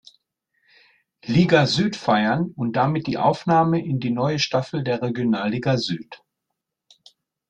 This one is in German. Liga Süd feiern und damit die Aufnahme in die neue Staffel der Regionalliga Süd.